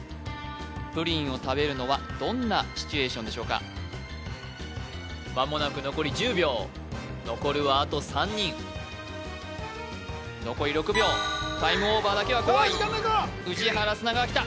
プリンを食べるのはどんなシチュエーションでしょうか間もなく残り１０秒残るはあと３人残り６秒タイムオーバーだけは怖い宇治原砂川きた